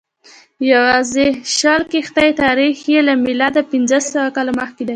یوازې شل کښتۍ تاریخ یې له میلاده پنځه سوه کاله مخکې دی.